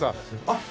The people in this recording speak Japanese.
あっ！